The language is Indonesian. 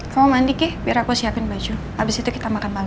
kamu mandi kih biar aku siapin baju abis itu kita makan malam ya